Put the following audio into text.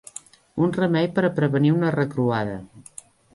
Un remei per a prevenir una recruada.